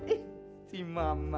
ih si mama